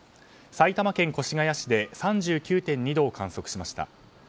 埼玉県越谷市で３９．２度を観測しました。